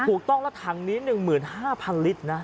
ถูกต้องแล้วถังนี้๑๕๐๐ลิตรนะ